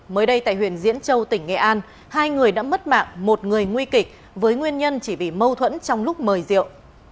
mới đây tại huyện diễn châu tỉnh nghệ an hai người đã mất mạng một người nguy kịch với nguyên nhân chỉ vì mâu thuẫn trong lúc mời rượu